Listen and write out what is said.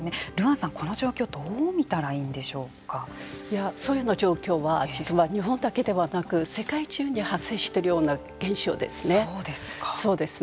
阮さん、この状況そういうような状況は実は日本だけではなく世界じゅうに発生しているような現象ですね。